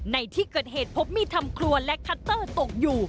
ในที่เกิดเหตุพบมีดทำครัวและคัตเตอร์ตกอยู่